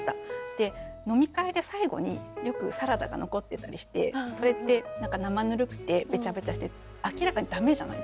で飲み会で最後によくサラダが残ってたりしてそれって何か生ぬるくてべちゃべちゃして明らかに駄目じゃないですか。